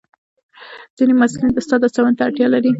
ځینې محصلین د استاد هڅونې ته اړتیا لري.